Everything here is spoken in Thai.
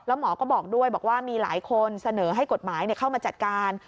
หมอก็บอกด้วยบอกว่ามีหลายคนเสนอให้กฎหมายเข้ามาจัดการ